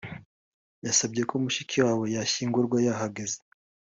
yasabye ko mushikiwe yashingurwa yahageze.